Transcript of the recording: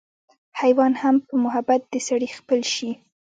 حېوان هم پۀ محبت د سړي خپل شي